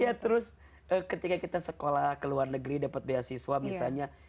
iya terus ketika kita sekolah ke luar negeri dapat beasiswa misalnya